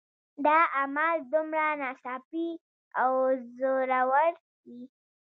دا عمل دومره ناڅاپي او زوراور وي